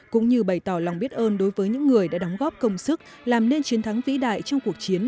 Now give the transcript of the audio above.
cũng như bày tỏ lòng biết ơn đối với những người đã đóng góp công sức làm nên chiến thắng vĩ đại trong cuộc chiến